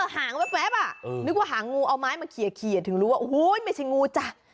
หางแว๊บอ่ะนึกว่าหางงูเอาไม้มาเขียนถึงรู้ว่าโอ้โหไม่ใช่งูจ้ะ